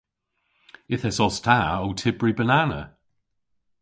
Yth esos ta ow tybri banana.